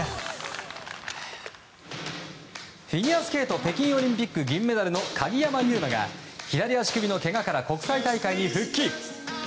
フィギュアスケート北京オリンピック銀メダルの鍵山優真が左足首のけがから国際大会に復帰。